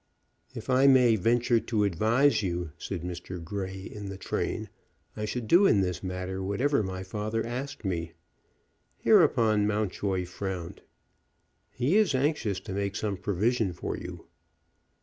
"If I may venture to advise you," said Mr. Grey in the train, "I should do in this matter whatever my father asked me." Hereupon Mountjoy frowned. "He is anxious to make some provision for you."